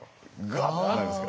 ガッてなるんですから。